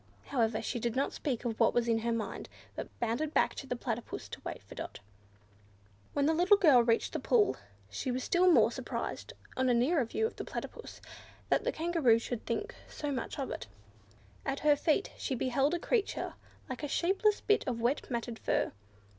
However, she did not speak of what was in her mind, but bounded back to the Platypus to wait for Dot. When the little girl reached the pool, she was still more surprised, on a nearer view of the Platypus, that the Kangaroo should think so much of it. At her feet she beheld a creature like a shapeless bit of wet matted fur.